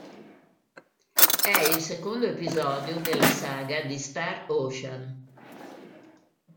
È il secondo episodio della saga di "Star Ocean".